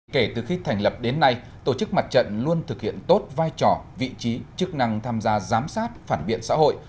kể từ khi thành lập đến nay tổ chức mặt trận luôn thực hiện tốt vai trò vị trí chức năng tham gia giám sát phản biện xã hội